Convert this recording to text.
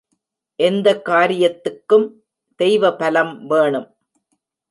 எந்த காரியத்துக்கும் தெய்வபலம் வேணும்.